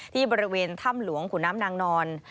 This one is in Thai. ที่บริเวณถ้ำหลวงขุนน้ำนางนอน